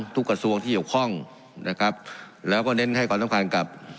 ทุกกระทรวงที่หยุดคล่องนะครับแล้วก็เน้นให้ความต้องการกับ